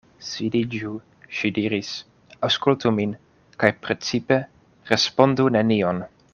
Sidiĝu, ŝi diris, aŭskultu min, kaj precipe respondu nenion.